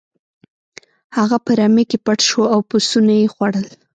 هغه په رمې کې پټ شو او پسونه یې خوړل.